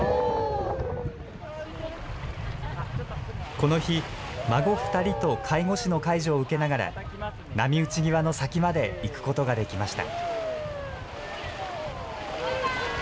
この日、孫２人と介護士の介助を受けながら、波打ち際の先まで行くことができました。